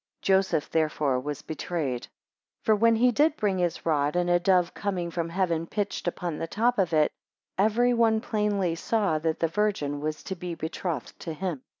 4 Joseph therefore was betrayed. 5 For, when he did bring his rod, and a dove coming from Heaven pitched upon the top of it, every one plainly saw, that the Virgin was to be betrothed to him.